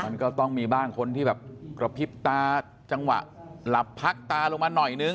มันก็ต้องมีบ้างคนที่แบบกระพริบตาจังหวะหลับพักตาลงมาหน่อยนึง